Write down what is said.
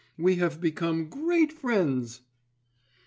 We have become great friends."